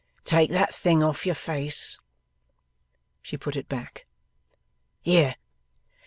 'Take that thing off your face.' She put it back. 'Here!